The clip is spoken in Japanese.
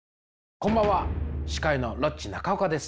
こんばんは司会のロッチ中岡です。